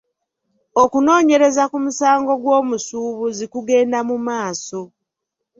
Okunoonyereza ku musango gw’omusuubuzi kugenda mu maaso.